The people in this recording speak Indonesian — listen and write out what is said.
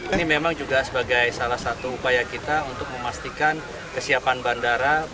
ini memang juga sebagai salah satu upaya kita untuk memastikan kesiapan bandara